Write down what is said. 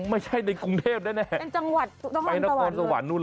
ไม่ใช่ในกรุงเทพฯแน่น้องคอนศะวัน